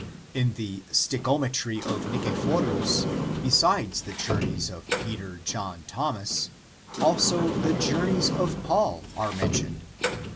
In the stichometry of Nicephorus, besides the journeys of Peter, John, Thomas, also " the journeys of Paul " are men tioned.